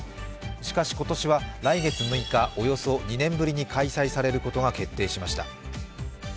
しかし、今年は来月６日、およそ２年ぶりに開催されることが決定しました。